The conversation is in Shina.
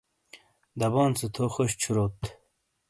دبون سے تھو خوش چھوروت !